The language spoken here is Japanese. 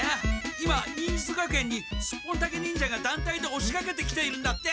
今忍術学園にスッポンタケ忍者がだんたいでおしかけてきているんだって！